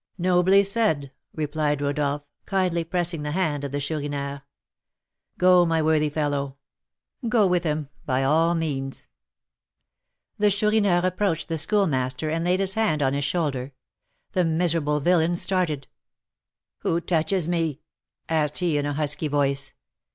"Nobly said!" replied Rodolph, kindly pressing the hand of the Chourineur. "Go, my worthy fellow! Go with him, by all means!" The Chourineur approached the Schoolmaster and laid his hand on his shoulder; the miserable villain started. "Who touches me?" asked he, in a husky voice.